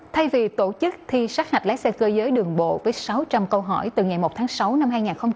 thay vì tổ chức thi sát hạch lái xe cơ giới đường bộ với sáu trăm linh câu hỏi từ ngày một tháng sáu năm hai nghìn hai mươi bốn